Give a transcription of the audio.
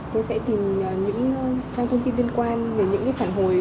tôi sẽ tìm những trang thông tin liên quan về những phản hồi